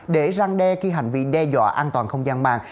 để răng đe khi hành vi đe dọa an toàn không gian mạng